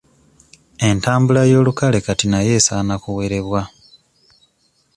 Entambula ey'olukale kati nayo esaana kuwerebwa.